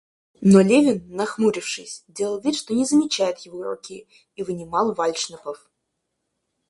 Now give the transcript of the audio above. Но Левин, нахмурившись, делал вид, что не замечает его руки, и вынимал вальдшнепов.